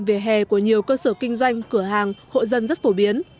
về hè của nhiều cơ sở kinh doanh cửa hàng hộ dân rất phổ biến